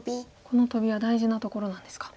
このトビは大事なところなんですか。